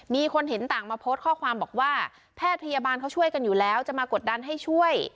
มีคนเห็นต่างมาโพสต์ข้อความบอกว่าแพทย์พยาบาลเขาช่วยกันอยู่แล้วจะมากดดันให้ช่วย